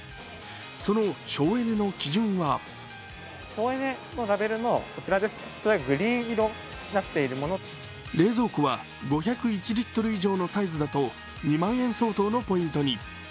その省エネの基準は冷蔵庫は５０１リットル以上のサイズだと２万円相当のポイントに。